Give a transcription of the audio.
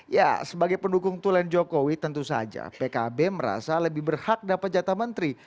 ya sebagai pendukung tulen jokowi tentu saja pkb merasa lebih berhak dapat jatah menteri